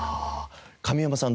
神山さん